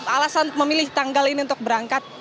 alasan memilih tanggal ini untuk berangkat